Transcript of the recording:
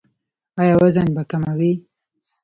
ایا وزن به کموئ؟